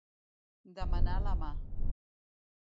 Demanar la mà.